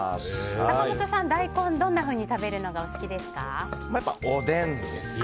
坂本さんは大根をどんなふうに食べるのがお好きですか？